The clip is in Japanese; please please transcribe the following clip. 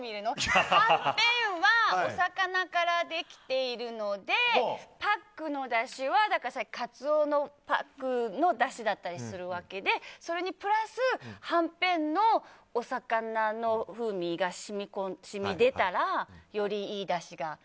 はんぺんはお魚からからできているのでパックのだしはカツオのパックのだしだったりするわけでそれにプラスはんぺんのお魚の風味が染み出たら、よりいいだしが。